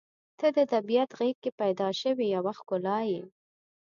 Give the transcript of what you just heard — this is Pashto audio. • ته د طبیعت غېږ کې پیدا شوې یوه ښکلا یې.